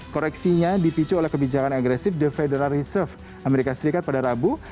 koreksinya dipicu oleh kebijakan agresif the federal reserve amerika serikat pada rabu